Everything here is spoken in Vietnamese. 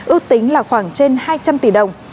ước tính là khoảng trên hai trăm linh tỷ đồng